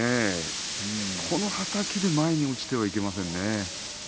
このはたきで前に落ちてはいけませんね。